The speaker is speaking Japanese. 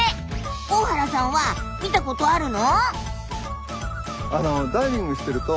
大原さんは見たことあるの？